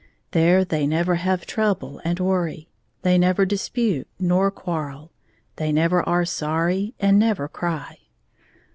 There they never have trouble and worry; they never dispute nor quarrel ; they never are sorry and never cry.